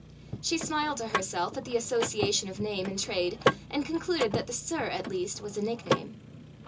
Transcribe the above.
She smiled to herself at the association of name and trade, and concluded that the Sir at least was a nickname.